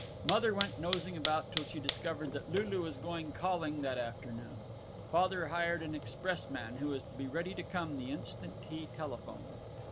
Mother went nosing about till she discovered that Lulu was going calling that afternoon. Father hired an expressman, who was to be ready to come the instant he telephoned.